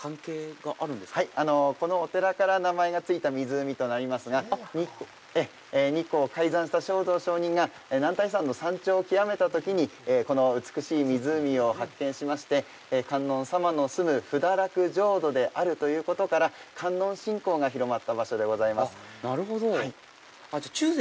はい、このお寺から名前がついた湖となりますが、日光を開山した勝道上人が男体山の山頂を極めたときにこの美しい湖を発見しまして、観音様の住む補陀落浄土であるということから、観音信仰が広まった場所でございます。